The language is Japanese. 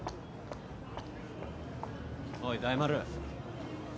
おい大丸。